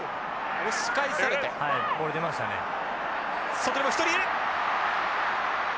外にも１人いる！